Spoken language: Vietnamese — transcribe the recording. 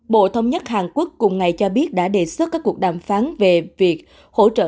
bộ thống nhất hàn quốc cùng ngày cho biết đã đề xuất các cuộc đàm phán về việc hỗ trợ